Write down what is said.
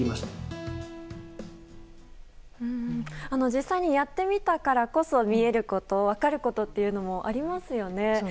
実際にやってみたからこそ見えること、分かることというのもありますよね。